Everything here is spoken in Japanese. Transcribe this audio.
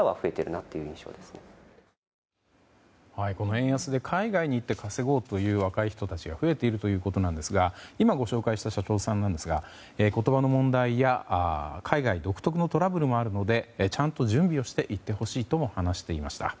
円安で海外に行って稼ごうという若い人たちが増えているということですが今ご紹介した所長さんなんですが言葉の問題や海外独特のトラブルもあるのでちゃんと準備をして行ってほしいと話していました。